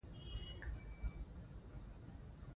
پښتنو لیکوالانو ستر خدمات کړي دي.